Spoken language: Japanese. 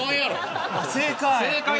正解。